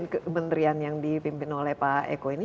kementerian yang dipimpin oleh pak eko ini